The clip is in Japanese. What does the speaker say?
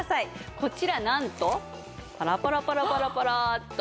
こちらなんとパラパラパラパラパラッと。